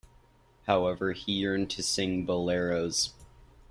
However, he yearned to sing boleros.